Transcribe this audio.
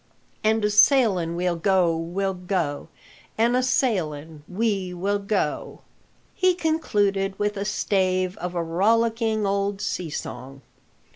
"An' a sailin' we'll go, we'll go; An' a sailin' we will go o o!" he concluded, with a stave of a rollicking old sea song.